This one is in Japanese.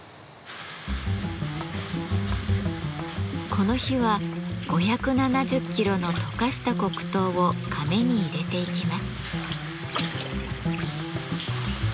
この日は５７０キロの溶かした黒糖をカメに入れていきます。